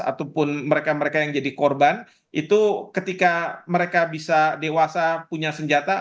ataupun mereka mereka yang jadi korban itu ketika mereka bisa dewasa punya senjata